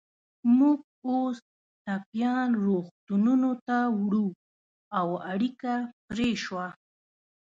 موږ اوس ټپیان روغتونونو ته وړو، او اړیکه پرې شوه.